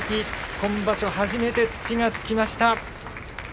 今場所初めて土がつきました。